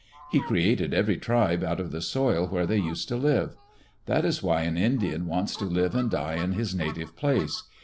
He created every tribe out of the soil where they used to live. That is why an Indian wants to live and die in his native place.